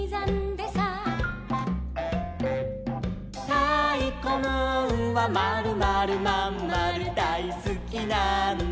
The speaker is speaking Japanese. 「たいこムーンはまるまるまんまるだいすきなんだ」